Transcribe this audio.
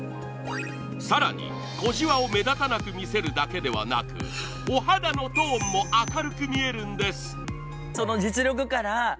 更に、小じわを目立たなく見せるだけでなくお肌のトーンも明るく見えるんです。